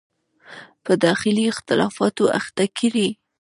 په داخلي اختلافاتو اخته کړي.